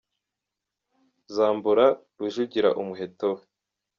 zambura Rujugira umuheto we.